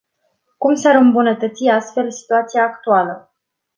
Cum s-ar îmbunătăți astfel situația actuală?